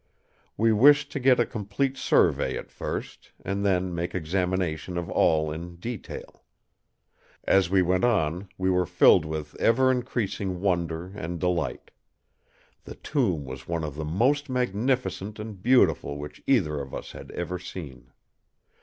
We wished to get a complete survey at first, and then make examination of all in detail. As we went on, we were filled with ever increasing wonder and delight. The tomb was one of the most magnificent and beautiful which either of us had ever seen.